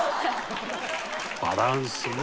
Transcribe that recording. バランスね。